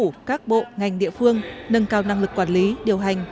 chính phủ các bộ ngành địa phương nâng cao năng lực quản lý điều hành